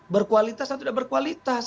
berkualitas atau tidak berkualitas